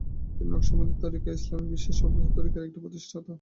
তিনি নকশবন্দি তরিকার, ইসলামি বিশ্বের সর্ববৃহৎ তরিকার একটি, প্রতিষ্ঠাতা।